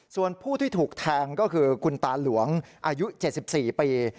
ส่วนผู้ที่ถูกแทงก็คือคุณตาหลวงอายุ๗๔ปี